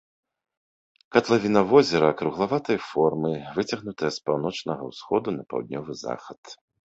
Катлавіна возера круглаватай формы, выцягнутая з паўночнага ўсходу на паўднёвы захад.